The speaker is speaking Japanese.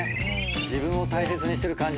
自分を大切にしてる感じするね。